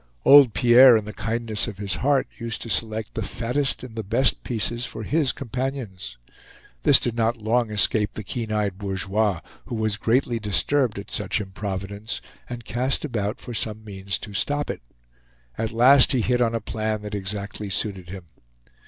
Old Pierre, in the kindness of his heart, used to select the fattest and the best pieces for his companions. This did not long escape the keen eyed bourgeois, who was greatly disturbed at such improvidence, and cast about for some means to stop it. At last he hit on a plan that exactly suited him.